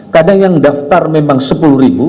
kadang yang daftar memang sepuluh ribu